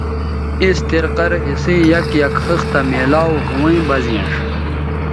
اِس طریقہ رے اسئ یک یک خِختہ میلاو ھویں بہ زینݜ